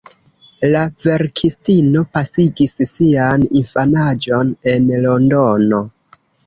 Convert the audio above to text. La verkistino pasigis sian infanaĝon en Londono.